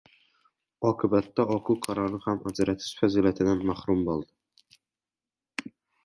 Oqibatda oqu qorani ham ajratish fazilatidan mahrum bo‘ladi.